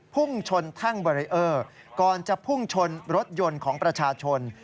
พุ่งชนแท่งเบรีเออร์ก่อนจะพุ่งชนรถยนต์ของประชาชน